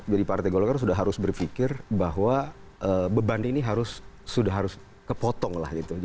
partai golkar sudah harus berpikir bahwa beban ini sudah harus kepotong lah gitu